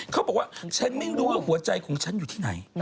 เขาบอกว่าฉันไม่รู้ว่าหัวใจของฉันอยู่ที่ไหน